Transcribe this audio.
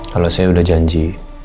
kalau saya udah janji